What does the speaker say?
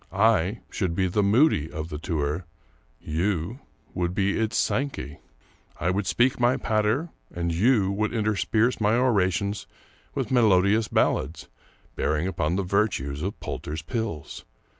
I should be the Moody of the tour; you would be its Sankey. I would speak my patter, and you would intersperse my orations with melodious ballads bearing upon the virtues of Poulter's Pills.